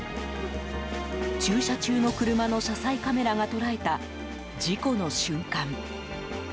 駐車中の車の車載カメラが捉えた事故の瞬間。